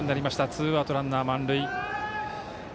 ツーアウト、ランナー、満塁。